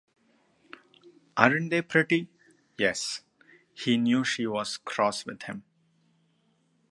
“Aren’t they pretty?” “Yes.” He knew she was cross with him.